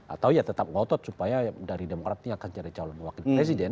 atau ya tetap ngotot supaya dari demokrat ini akan cari calon wakil presiden